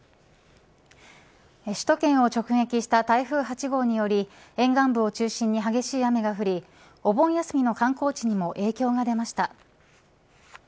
首都圏を直撃した台風８号により沿岸部を中心に激しい雨が降りお盆休みの観光地にも影響が出ました。